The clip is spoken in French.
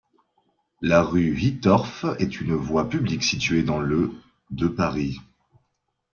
La rue Hittorf est une voie publique située dans le de Paris.